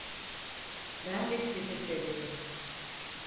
Ben de sizi seviyorum.